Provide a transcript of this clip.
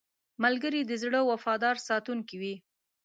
ملګری د زړه وفادار ساتونکی وي